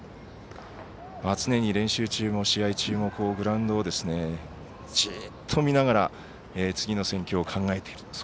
常に練習中も試合中もグラウンドを、じっと見ながら次の戦況を考えている。